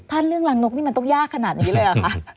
เรื่องรังนกนี่มันต้องยากขนาดนี้เลยเหรอคะ